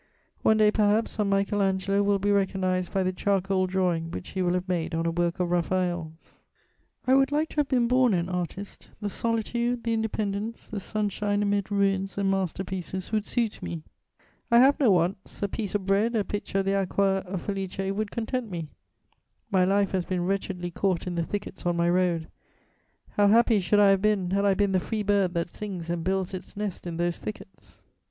One day, perhaps, some Michael Angelo will be recognised by the charcoal drawing which he will have made on a work of Raphael's. I would like to have been born an artist: the solitude, the independence, the sunshine amid ruins and master pieces would suit me. I have no wants; a piece of bread, a pitcher of the Aqua Felice would content me. My life has been wretchedly caught in the thickets on my road; how happy should I have been, had I been the free bird that sings and builds its nest in those thickets!